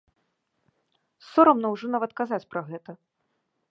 Сорамна ўжо нават казаць пра гэта.